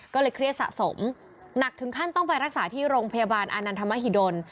ก็เลยเครียดสะสมหนักถึงขั้นต้องไปรักษาที่โรงพยาบาลอานันทมหิดล